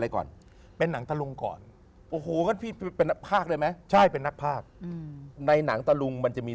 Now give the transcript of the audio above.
โอ้มันเพราะมากเลยร้องในนั้นเนี่ย